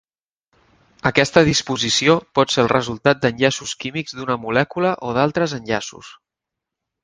Aquesta disposició pot ser el resultat d'enllaços químics d'una molècula o d'altres enllaços.